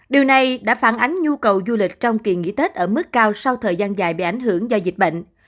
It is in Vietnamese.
điều này đã phản ánh nhu cầu du lịch trong kỳ nghỉ tết ở mức cao sau thời gian dài bị ảnh hưởng do dịch bệnh